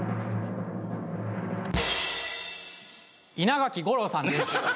稲垣吾郎さんです。